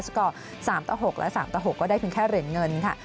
ซึ่งก็๓๖และ๓๖ก็ได้เพียงแค่เหรียญเงินค่ะ